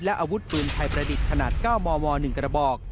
อาวุธปืนไทยประดิษฐ์ขนาด๙มม๑กระบอก